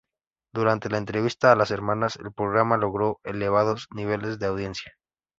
Durante la entrevista a las hermanas, el programa logró elevados niveles de audiencia.